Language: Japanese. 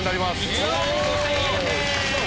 １万５０００円です。